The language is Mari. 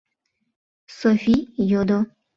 Софи йодо: